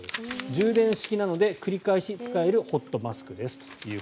充電式なので繰り返し使えるホットアイマスクですと。